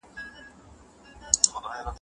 قلندر شومه مرۍ مې کړې په بند کې